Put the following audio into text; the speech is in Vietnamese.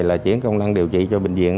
là chuyển công năng điều trị cho bệnh viện